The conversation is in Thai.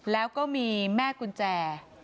แล้วก็มีแม่กุญแจ